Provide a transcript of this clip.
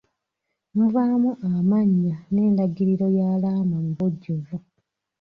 Mubaamu amannya n'endagiriro y'alaama mu bujjuvu.